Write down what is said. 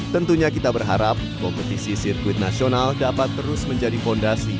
tentunya kita berharap kompetisi sirkuit nasional dapat terus menjadi fondasi